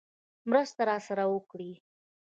مرسته راسره وکړي.